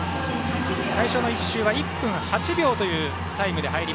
最初の１周は１分８秒というタイム。